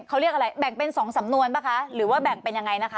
เขาเรียกอะไรแบ่งเป็น๒สำนวนป่ะคะหรือว่าแบ่งเป็นยังไงนะคะ